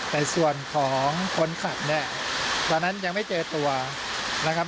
แต่ส่วนของคนขับเนี่ยตอนนั้นยังไม่เจอตัวนะครับ